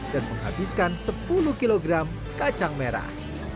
dan menghabiskan sepuluh kg kacang merah